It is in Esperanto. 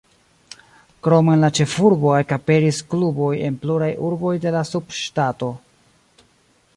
Krom en la ĉefurbo ekaperis kluboj en pluraj urboj de la subŝtato.